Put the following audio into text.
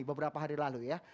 beberapa hari lalu ya